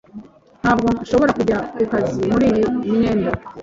Ntabwo nshobora kujya ku kazi muri iyi myenda.